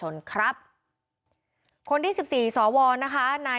โหวตตามเสียงข้างมาก